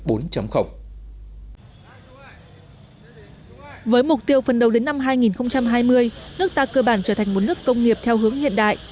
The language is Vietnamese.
với mục tiêu phần đầu đến năm hai nghìn hai mươi nước ta cơ bản trở thành một nước công nghiệp theo hướng hiện đại